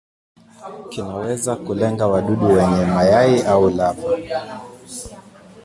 Kinaweza kulenga wadudu wenyewe, mayai au lava.